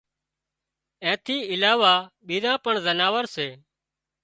اين ٿِي علاوه ٻيزان پڻ زناورسي